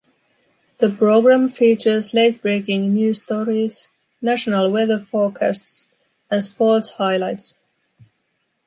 The program features late-breaking news stories, national weather forecasts and sports highlights.